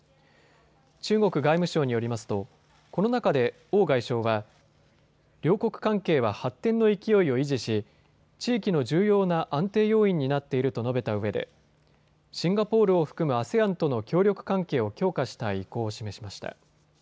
中国外務省によりますとこの中で王外相は両国関係は発展の勢いを維持し地域の重要な安定要因になっていると述べたうえでシンガポールを含むＡＳＥＡＮとの協力関係を強化したい意向を示しました。